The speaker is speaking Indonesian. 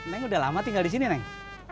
neng udah lama tinggal di sini neng